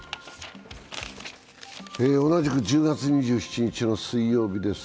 同じく１０月２７日の水曜日です。